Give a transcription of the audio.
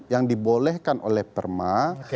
yang dibolehkan oleh perma